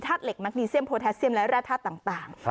เหล็กมักนีเซียมโพแทสเซียมและแร่ธาตุต่าง